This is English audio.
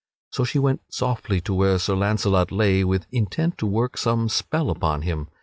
So she went softly to where Sir Launcelot lay with intent to work some such spell upon him.